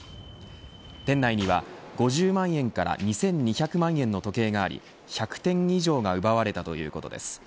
店内には５０万円から２２００万円の時計があり１００点以上が奪われたということです。